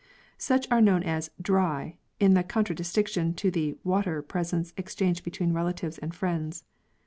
Such are known as dry, in contradistinction to the water presents exchanged between relatives and friends.